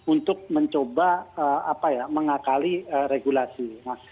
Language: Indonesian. untuk mencoba mengakali regulasi